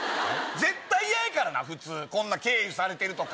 絶対嫌やからな普通こんな経由されてるとか。